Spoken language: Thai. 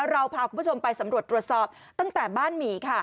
เราพาคุณผู้ชมไปสำรวจตรวจสอบตั้งแต่บ้านหมี่ค่ะ